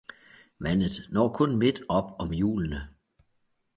Vandet når kun midt op om hjulene.